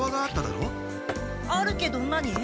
あるけど何？